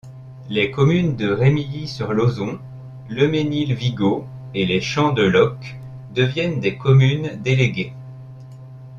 Les communes de Remilly-sur-Lozon, Le Mesnil-Vigot et Les Champs-de-Losque deviennent des communes déléguées.